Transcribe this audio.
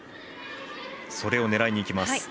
それを狙いにいきます。